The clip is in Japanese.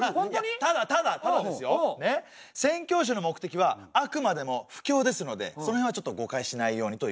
ただただただですよねっ宣教師の目的はあくまでも布教ですのでその辺はちょっと誤解しないようにということですよね。